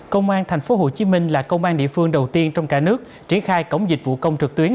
công an tp hcm là công an địa phương đầu tiên trong cả nước triển khai cổng dịch vụ công trực tuyến